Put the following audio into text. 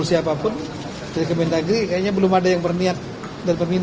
siapapun dari kementerian negeri